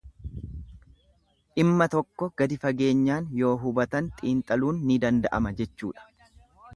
Dhimma tokko gadi fageenyaan yoo hubatan xiinxaluun ni danda'ama jechuudha.